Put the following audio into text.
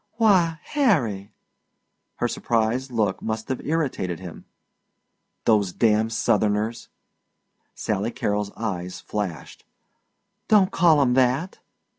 "Why, Harry!" Her surprised look must have irritated him. "Those damn Southerners!" Sally Carrol's eyes flashed. "Don't call 'em that."